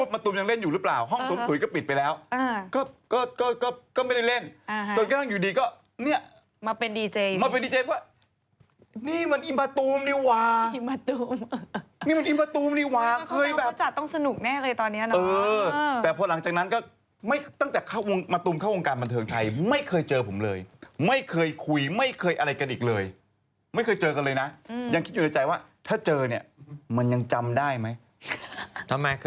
มันจอเรียกใจว่าถ้าเจอนี่มันยันจำได้ไหม